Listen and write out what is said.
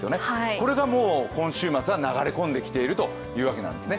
これが今週末は流れ込んできているというわけなんですね。